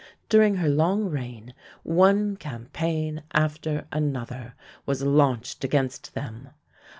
During her long reign one campaign after another was launched against them.